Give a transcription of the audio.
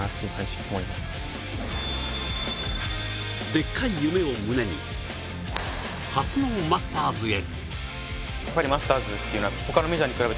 でっかい夢を胸に初のマスターズへ。